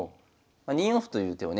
２四歩という手をね